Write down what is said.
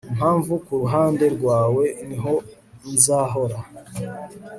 Impamvu kuruhande rwawe niho nzahora